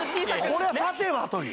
これはさてはという。